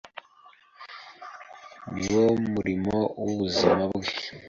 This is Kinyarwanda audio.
niwo murimo wubuzima bwe